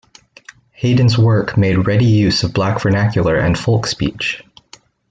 Hayden's work made ready use of black vernacular and folk speech.